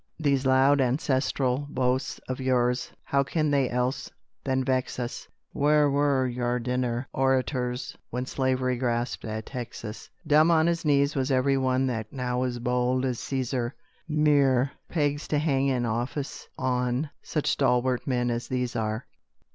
"These loud ancestral boasts of yours, How can they else than vex us? Where were your dinner orators When slavery grasped at Texas? Dumb on his knees was every one That now is bold as Cæsar, Mere pegs to hang an office on Such stalwart men as these are."